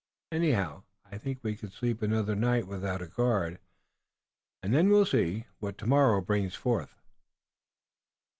Anyhow, I think we can sleep another night without a guard and then we'll see what tomorrow will bring forth."